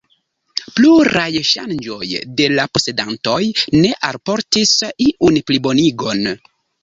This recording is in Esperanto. Pluraj ŝanĝoj de la posedantoj ne alportis iun plibonigon.